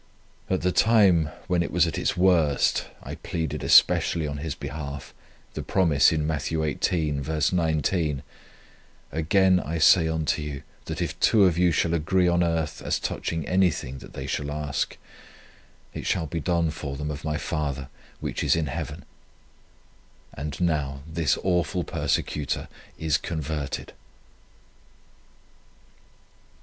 At the time when it was at its worst I pleaded especially on his behalf the promise in Matthew xviii. 19: 'Again I say unto you, that if two of you shall agree on earth as touching anything that they shall ask, it shall be done for them of my father which is in heaven.' And now this awful persecutor is converted."